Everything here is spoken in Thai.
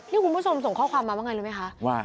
นี่คุณผู้ชมส่งข้อความมาว่าไงรู้ไหมคะว่า